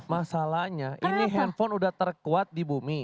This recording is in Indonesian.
masalahnya ini handphone udah terkuat di bumi